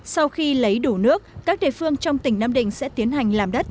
sau khi lấy đủ nước các địa phương trong tỉnh nam định sẽ tiến hành làm đất